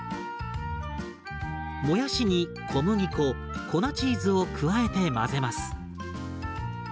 もやしに小麦粉粉チーズを加えて混ぜます。